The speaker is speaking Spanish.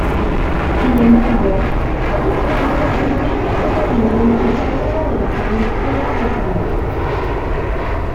Sin embargo, otras fuentes desmienten esta opinión y que Álvaro de Bazán fuera cesado.